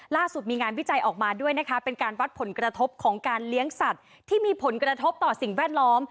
ล่าสุดมีงานวิจัยออกมาด้วยนะคะเป็นการวัดผลกระทบของการเลี้ยงสัตว์ที่มีผลกระทบต่อสิ่งแวดล้อม